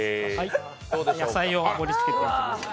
野菜を盛りつけていきます。